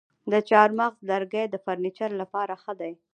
د چهارمغز لرګی د فرنیچر لپاره ښه دی.